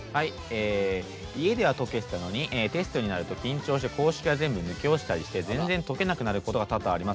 家では解けていたのにテストで公式が抜け落ちたりして全然解けなくなることが多々あります。